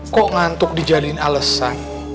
kok ngantuk dijadiin alesan